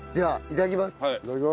いただきます。